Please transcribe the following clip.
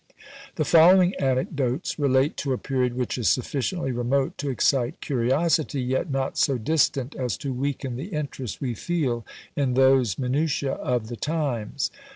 The following anecdotes relate to a period which is sufficiently remote to excite curiosity; yet not so distant as to weaken the interest we feel in those minutiÃḊ of the times.